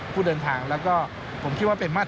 เป็นอย่างไรนั้นติดตามจากรายงานของคุณอัญชาฬีฟรีมั่วครับ